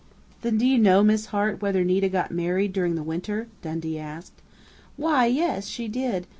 "Then do you know, Miss Hart, whether Nita got married during the winter?" Dundee asked. "Why, yes, she did!"